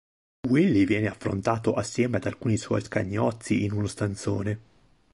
Willy viene affrontato assieme ad alcuni suoi scagnozzi in uno stanzone.